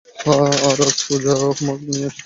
হ্যাঁঁ, আর পূজা আমাদের, হোমওয়ার্ক নিয়ে আসতো।